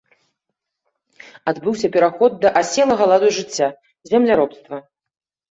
Адбыўся пераход да аселага ладу жыцця, земляробства.